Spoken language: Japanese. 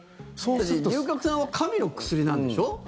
龍角散は神の薬なんでしょ？